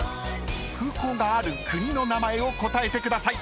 ［空港がある国の名前を答えてください］